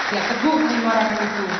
yang teguh di marah itu